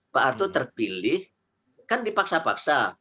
pak arto terpilih kan dipaksa paksa